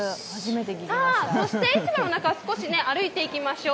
そして市場の中、少し歩いていきましょう。